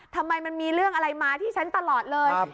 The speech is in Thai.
ทำไมมันมีเรื่องอะไรมาที่ฉันตลอดเลย